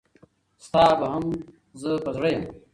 ستا به هم زه په زړه یم.